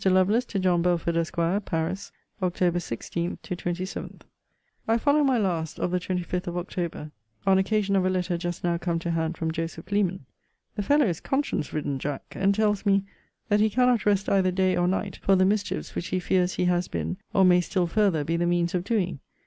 LOVELACE, TO JOHN BELFORD, ESQ. PARIS, OCT. 16 27. I follow my last of the 14/25th, on occasion of a letter just now come to hand from Joseph Leman. The fellow is conscience ridden, Jack; and tells me, 'That he cannot rest either day or night for the mischiefs which he fears he has been, or may still further be the means of doing.'